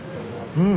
うん。